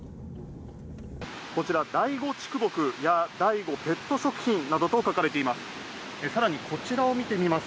こちら、大午畜牧や大午ペット食品などと書かれています。